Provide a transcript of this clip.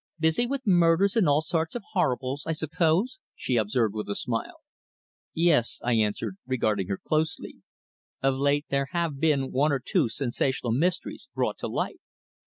"Busy with murders and all sorts of horribles, I suppose," she observed with a smile. "Yes," I answered, regarding her closely. "Of late there have been one or two sensational mysteries brought to light!"